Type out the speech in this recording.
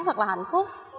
thật là hạnh phúc